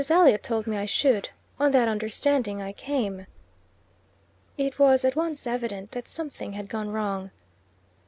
Elliot told me I should. On that understanding I came." It was at once evident that something had gone wrong.